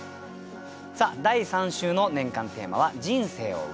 さあ第３週の年間テーマは「人生を詠う」。